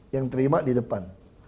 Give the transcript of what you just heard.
yang terima di depan